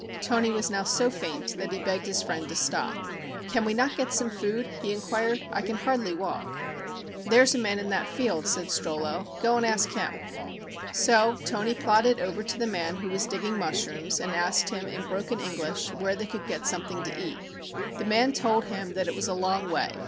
Toni was now so faint that he begged his friend to stop. "Can we not get some food?" he inquired; "I can hardly walk." "There is a man in that field," said Strollo. "Go and ask him." So Toni plodded over to the man who was digging mushrooms and asked him in broken English where they could get something to eat. The man told him that it was a long way.